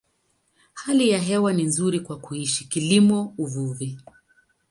Hali ya hewa ni nzuri kwa kuishi, kilimo, uvuvi.